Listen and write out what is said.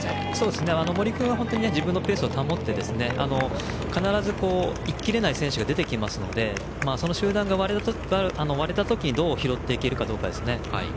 森君は自分のペースを保って必ず行ききれない選手が出てきますので集団が割れた時にどう拾っていけるかどうかです。